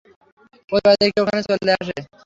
প্রতিবার দেখি ওখানে চলে আসে।